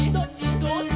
「どっち」